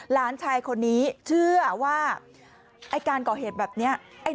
หลานชายคนนี้เชื่อว่าไอ้การก่อเหตุแบบนี้